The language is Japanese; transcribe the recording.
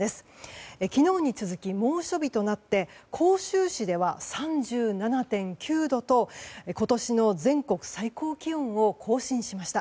昨日に続き、猛暑日となって甲州市では３７．９度と今年の全国最高気温を更新しました。